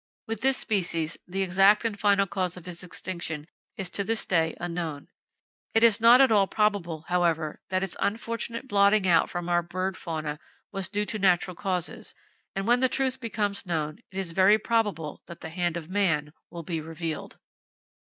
With this species, the exact and final cause of its extinction is to this day unknown. It is not at all probable, however, that its unfortunate blotting out from our bird fauna was due to natural causes, and when the truth becomes known, it is very probable that the hand of man will be revealed.